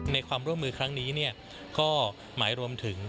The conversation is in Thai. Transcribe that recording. ในความร่วมมือครั้งนี้ก็หมายรวมถึง